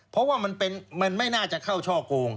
เพราะว่ามันไม่น่าจะเข้าช่อโกง